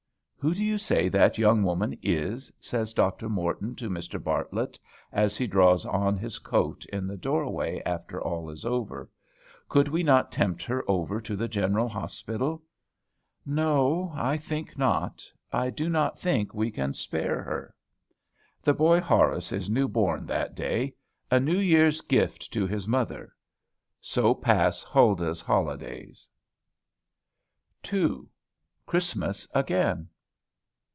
"Who do you say that young woman is?" says Dr. Morton to Mr. Bartlett, as he draws on his coat in the doorway after all is over. "Could we not tempt her over to the General Hospital?" "No, I think not. I do not think we can spare her." The boy Horace is new born that day; a New Year's gift to his mother. So pass Huldah's holidays. II. CHRISTMAS AGAIN.